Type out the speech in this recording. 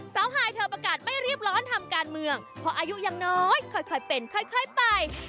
ฮายเธอประกาศไม่รีบร้อนทำการเมืองเพราะอายุยังน้อยค่อยเป็นค่อยไป